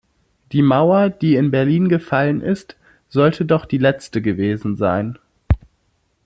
Die Mauer, die in Berlin gefallen ist, sollte doch die letzte gewesen sein.